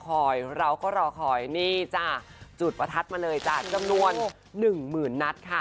คอยเราก็รอคอยนี่จ้ะจุดประทัดมาเลยจ้ะจำนวนหนึ่งหมื่นนัดค่ะ